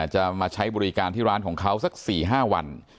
จะมาใช้บริการที่ร้านของเขาสัก๔๕วัน